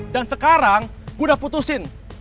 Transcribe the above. dan sekarang gue udah putusin